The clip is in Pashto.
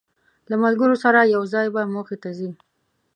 له ملګرو سره یو ځای به موخې ته ځی.